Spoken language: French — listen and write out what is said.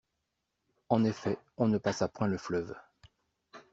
En effet, on ne passa point le fleuve.